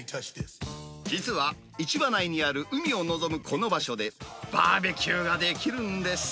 実は、市場内にある海を望むこの場所で、バーベキューができるんです。